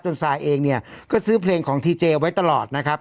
ทรายเองเนี่ยก็ซื้อเพลงของทีเจไว้ตลอดนะครับ